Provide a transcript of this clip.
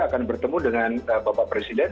akan bertemu dengan bapak presiden